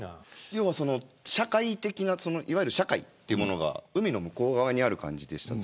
社会的ないわゆる社会というものが海の向こう側にある感じでした。